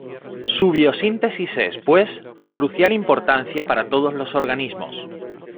Su biosíntesis es, pues, de crucial importancia para todos los organismos.